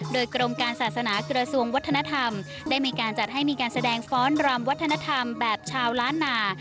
โดยกรมการศาสนากระทรวงวัฒนธรรมได้มีการจัดให้มีการแสดงฟ้อนรำวัฒนธรรมแบบชาวล้านนา